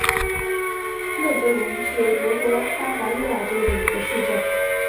勒格灵是德国巴伐利亚州的一个市镇。